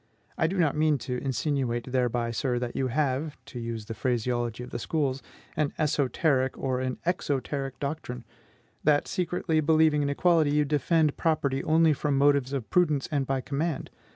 I do not mean to insinuate thereby, sir, that you have (to use the phraseology of the schools) an ESOTERIC and an EXOTERIC doctrine, that, secretly believing in equality, you defend property only from motives of prudence and by command.